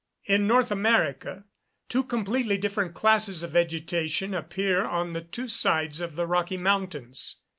In North America, two completely different classes of vegetation appear on the two sides of the Rocky Mountains.